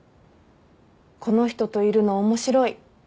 この人といるの面白い。